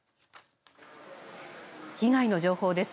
被害の情報です。